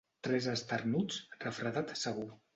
Tres esternuts, refredat segur.